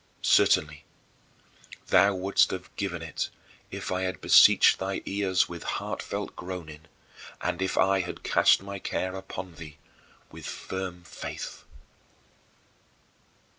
" Certainly thou wouldst have given it, if I had beseeched thy ears with heartfelt groaning, and if I had cast my care upon thee with firm faith.